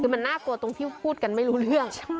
คือมันน่ากลัวตรงที่พูดกันไม่รู้เรื่อง